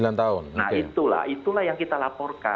nah itulah itulah yang kita laporkan